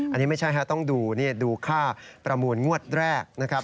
อันนี้ไม่ใช่ครับต้องดูดูค่าประมูลงวดแรกนะครับ